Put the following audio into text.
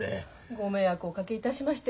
ご迷惑をおかけいたしまして。